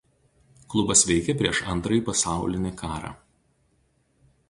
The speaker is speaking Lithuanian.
Klubas veikė prieš Antrąjį pasaulį karą.